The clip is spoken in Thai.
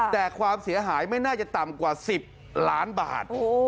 แต่ความเสียหายไม่น่าจะต่ำกว่า๑๐ล้านบาท